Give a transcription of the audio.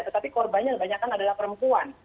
tetapi korbannya kebanyakan adalah perempuan